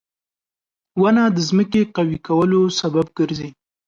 • ونه د ځمکې قوي کولو سبب ګرځي.